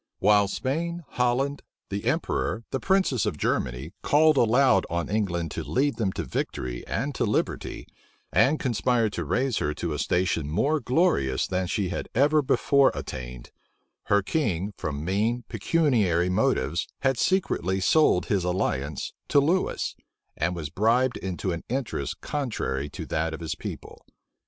While Spain, Holland, the emperor, the princes of Germany, called aloud on England to lead them to victory and to liberty, and conspired to raise her to a station more glorious than she had ever before attained, her king, from mean, pecuniary motives, had secretly sold his alliance to Lewis, and was bribed into an interest contrary to that of his people.